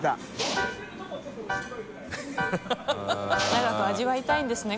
長く味わいたいんですね